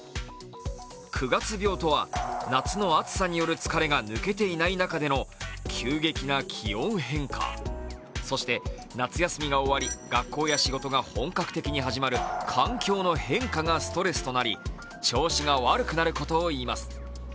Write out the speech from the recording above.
月病とは夏の暑さによる疲れが抜けていない中での急激な気温変化、そして夏休みが終わり学校や仕事が本格的に始まる環境の変化がストレスとなり調子が悪くなることを言います。